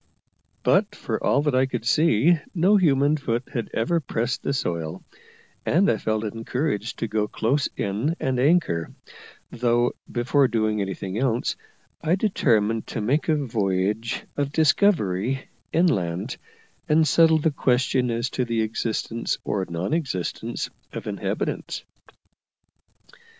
But for all that I could see no human foot had ever pressed the soil, and I felt encouraged to go close in and anchor; though, before doing anything else, I determined to make a voyage of discovery inland, and settle the question as to the existence or non existence of inhabitants.